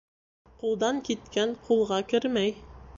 Ҡулдан киткән ҡулға кермәй.